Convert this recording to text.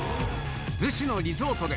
逗子のリゾートで。